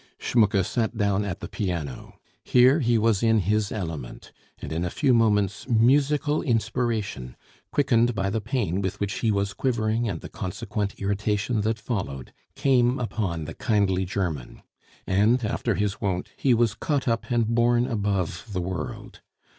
Schmucke sat down at the piano. Here he was in his element; and in a few moments, musical inspiration, quickened by the pain with which he was quivering and the consequent irritation that followed came upon the kindly German, and, after his wont, he was caught up and borne above the world.